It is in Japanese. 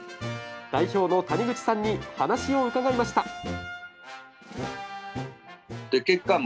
代表の谷口さんに話を伺いました。